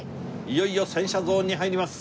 いよいよ洗車ゾーンに入ります。